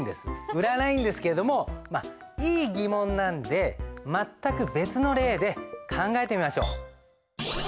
売らないんですけれどもいい疑問なんで全く別の例で考えてみましょう。